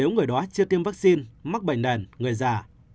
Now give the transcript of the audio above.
nếu người đó chưa tiêm vaccine mắc bệnh nền người già